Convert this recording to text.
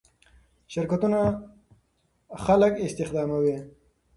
شرکتونه خلک استخداموي.